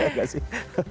iya gak sih